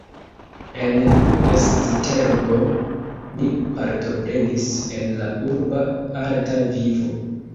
En Esztergom li partoprenis en la urba arta vivo.